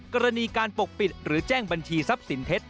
กรณีการปกปิดหรือแจ้งบัญชีทรัพย์สินเท็จ